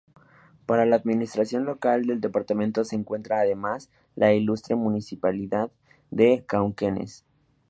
Para la administración local del departamento se encuentra, además, la Ilustre Municipalidad de Cauquenes.